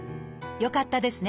よかったですね。